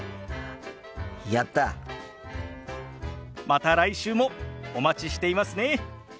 また来週もお待ちしていますね。